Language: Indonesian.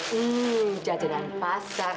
hmm jajanan pasar